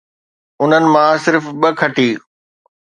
انهن مان صرف ٻه کٽي